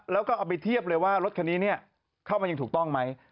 แล้วก็เอาไปเทียบเลยว่ารถคันนี้เข้ามาอย่างถูกต้องไหม